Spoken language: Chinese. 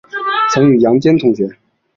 曾与杨坚同学。